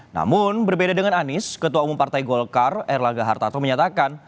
namun berbeda dengan anies ketua umum partai golkar erlangga hartarto menyatakan